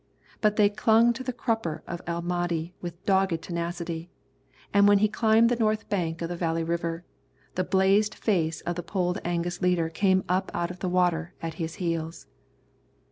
But they clung to the crupper of El Mahdi with dogged tenacity, and when he climbed the north bank of the Valley River, the blazed face of the Polled Angus leader came up out of the water at his heels.